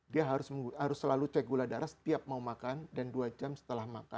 dia harus selalu cek gula darah setiap mau makan dan dua jam setelah makan